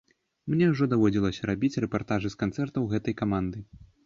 Мне ўжо даводзілася рабіць рэпартажы з канцэртаў гэтай каманды.